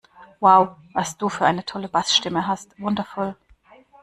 Wow, was du für eine tolle Bassstimme hast! Wundervoll!